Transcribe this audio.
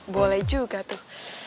boleh juga tuh